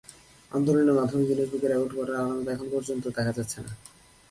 আন্দোলনের মাধ্যমে গিনেস বুকে রেকর্ড করার আলামত এখন পর্যন্ত দেখা যাচ্ছে না।